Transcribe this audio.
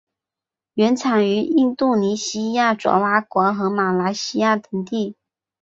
原产于印度尼西亚爪哇岛和马来西亚等地。